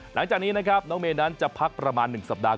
หลังจากนี้นะครับน้องเมย์นั้นจะพักประมาณ๑สัปดาห